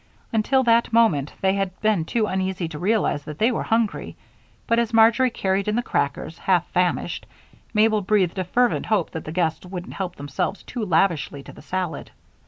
Until that moment, they had been too uneasy to realize that they were hungry; but as Marjory carried in the crackers, half famished Mabel breathed a fervent hope that the guests wouldn't help themselves too lavishly to the salad.